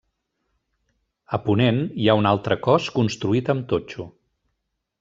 A ponent hi ha un altre cos construït amb totxo.